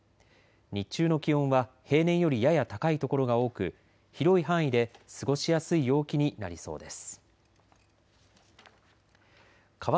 日中の気温は平年よりやや高い所が多く、広い範囲で過ごしやすい陽気になりそうです。